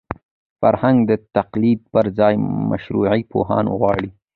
فرهنګ د تقلید پر ځای شعوري پوهاوی غواړي.